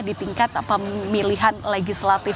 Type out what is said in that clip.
di tingkat pemilihan legislatif